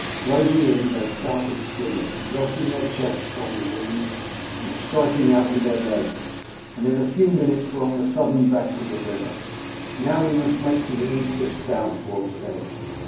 Wading in they started swimming, resting their chests on the reeds and striking out with their legs, and in a few minutes were on the southern bank of the river. "Now we must make to the east of south," Wulf said.